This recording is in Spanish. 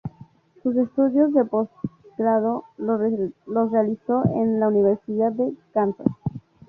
Sus estudios de postgrado los realizó en la Universidad de Kansas.